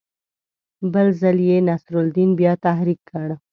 بل ځل یې نصرالدین بیا تحریک کړ.